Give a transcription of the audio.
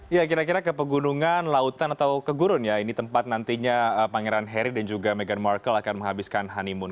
ya kira kira ke pegunungan lautan atau ke gurun ya ini tempat nantinya pangeran harry dan juga meghan markle akan menghabiskan honeymoon